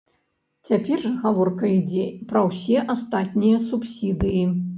Цяпер жа гаворка ідзе пра ўсе астатнія субсідыі.